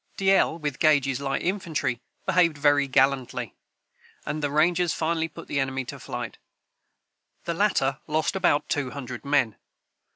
D'Ell, with Gage's light infantry, behaved very gallantly, and the rangers finally put the enemy to flight. The latter lost about two hundred men.